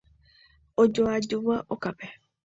Ojoajúva okápe.